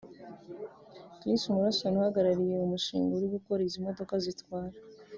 Chris Urmson uhagarariye umushinga uri gukora izi modoka zitwara